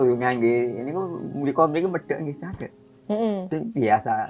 yangisaere dari saat kami mulia ke jarak